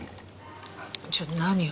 ちょっと何よ？